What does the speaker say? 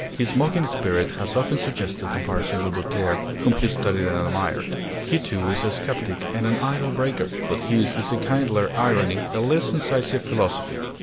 His mocking spirit has often suggested comparison with Voltaire, whom he studied and admired. He too is a skeptic and an idol breaker; but his is a kindlier irony, a less incisive philosophy.